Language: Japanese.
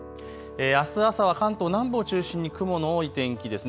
あす朝は関東南部を中心に雲の多い天気です。